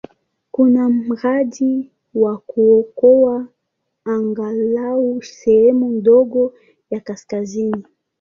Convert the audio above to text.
Kuna mradi wa kuokoa angalau sehemu ndogo ya kaskazini.